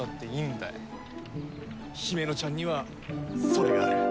ヒメノちゃんにはそれがある。